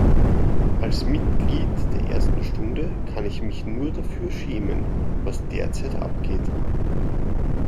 Als Mitglied der ersten Stunde kann ich mich nur dafür schämen, was derzeit abgeht.